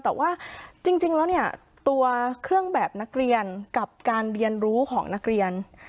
แต่ว่าจริงแล้วเนี่ยตัวเครื่องแบบนักเรียนกับการเรียนรู้ของนักเรียน